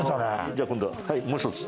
じゃあ今度はもう一つ。